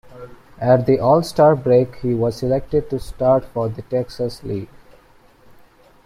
At the all-star break he was selected to start for the Texas League.